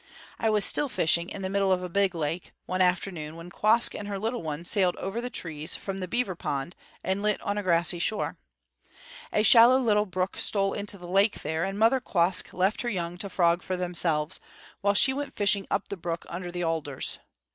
I was still fishing in the middle of the big lake, one late afternoon, when Quoskh and her little ones sailed over the trees from the beaver pond and lit on a grassy shore. A shallow little brook stole into the lake there, and Mother Quoskh left her young to frog for themselves, while she went fishing up the brook under the alders.